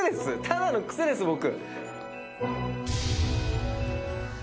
ただの癖です僕。